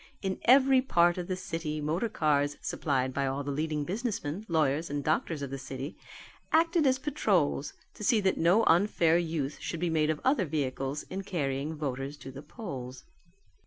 In every part of the city motor cars, supplied by all the leading businessmen, lawyers, and doctors of the city, acted as patrols to see that no unfair use should be made of other vehicles in carrying voters to the polls.